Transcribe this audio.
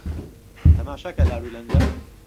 تهماشا که لارولهنجه